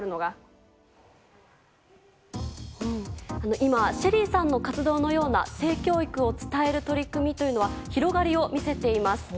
今、ＳＨＥＬＬＹさんの活動のような性教育を伝える取り組みは広がりを見せています。